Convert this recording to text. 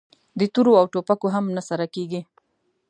د تورو او ټوپکو هم نه سره کېږي!